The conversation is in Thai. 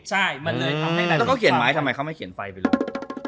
แล้วก็เขียนไม้ทำไมเขาไม่เขียนไฟไปเลย